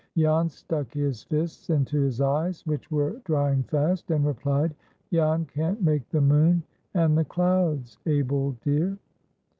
Jan stuck his fists into his eyes, which were drying fast, and replied, "Jan can't make the moon and the clouds, Abel dear!"